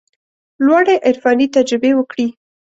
لوړې عرفاني تجربې وکړي.